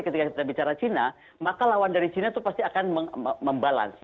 ketika kita bicara cina maka lawan dari cina itu pasti akan membalans